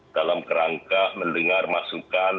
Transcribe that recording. dalam kerangka mendengar masukan